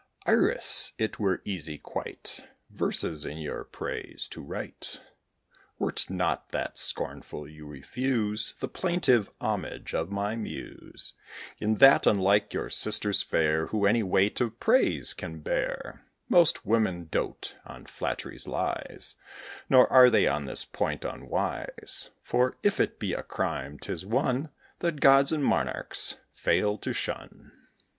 Iris, it were easy, quite, Verses in your praise to write, Were't not that, scornful, you refuse The plaintive homage of my muse, In that unlike your sisters fair, Who any weight of praise can bear: Most women doat on flattery's lies, Nor are they, on this point, unwise; For, if it be a crime, 'tis one That gods and monarchs fail to shun.